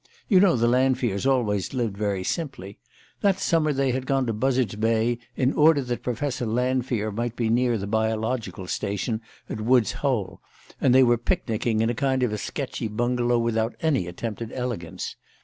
You know the Lanfears always lived very simply. That summer they had gone to Buzzard's Bay, in order that Professor Lanfear might be near the Biological Station at Wood's Holl, and they were picnicking in a kind of sketchy bungalow without any attempt at elegance.